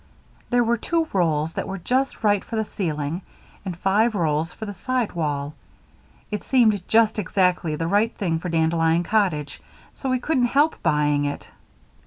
There were two rolls that were just right for the ceiling, and five rolls for the side wall. It seemed just exactly the right thing for Dandelion Cottage, so we couldn't help buying it."